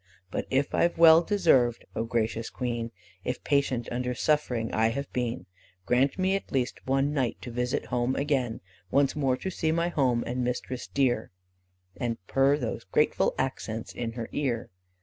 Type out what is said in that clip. "But if I've well deserved (O gracious Queen) If patient under suffering I have been, Grant me at least one night to visit home again, Once more to see my home and mistress dear, And purr these grateful accents in her ear.